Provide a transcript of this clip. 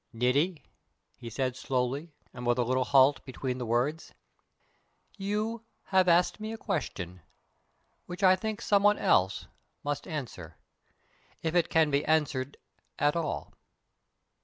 "Niti," he said slowly, and with a little halt between the words, "you have asked me a question which I think some one else must answer, if it can be answered at all.